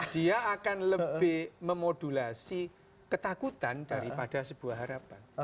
dia akan lebih memodulasi ketakutan daripada sebuah harapan